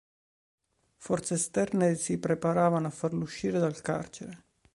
Forze esterne si preparavano a farlo uscire dal carcere.